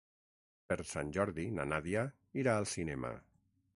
Per Sant Jordi na Nàdia irà al cinema.